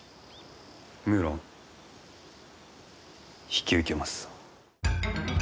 無論引き受けますぞ。